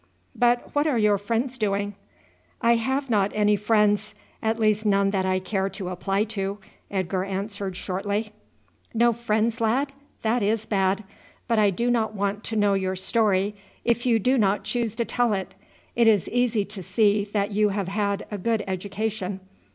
"But what are your friends doing?" "I have not any friends; at least none that I care to apply to," Edgar answered shortly. "No friends, lad? That is bad. But I do not want to know your story if you do not choose to tell it. It is easy to see that you have had a good education.